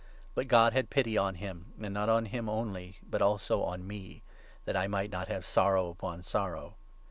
But God had pity on him, and not on him only but also on me, that I might not have sorrow upon sorrow.